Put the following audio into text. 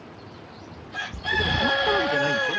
えっでも決まったわけじゃないんでしょ？